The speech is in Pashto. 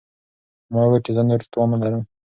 ما وویل چې زه نور توان نه لرم.